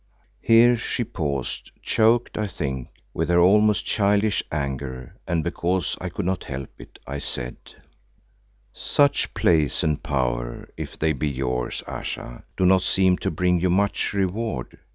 Here she paused, choked, I think, with her almost childish anger, and because I could not help it, I said, "Such place and power, if they be yours, Ayesha, do not seem to bring you much reward.